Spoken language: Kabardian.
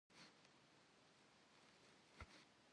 Zaue cegure daue cegure şı'ekhım.